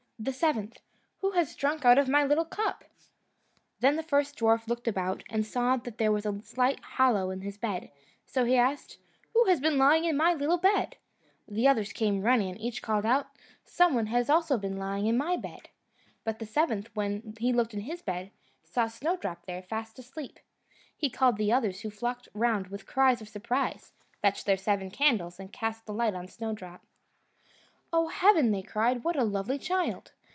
The seventh, "Who has drunk out of my little cup?" Then the first dwarf looked about, and saw that there was a slight hollow in his bed, so he asked, "Who has been lying in my little bed?" The others came running, and each called out, "Some one has also been lying in my bed." But the seventh, when he looked in his bed, saw Snowdrop there, fast asleep. He called the others, who flocked round with cries of surprise, fetched their seven candles, and cast the light on Snowdrop. "Oh, heaven!" they cried, "what a lovely child!"